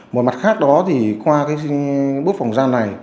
một mặt khác đó thì qua cái bút phòng gian này